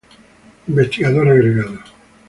Investigador Agregado.